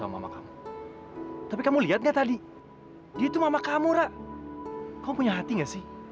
sampai kita keser eigentlich juga malah du padding fibre karena